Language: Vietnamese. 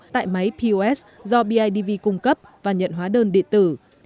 tại máy pos do bidv cung cấp và nhận hóa đơn điện tử